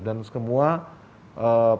dan semua peserta